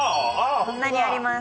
こんなにあります。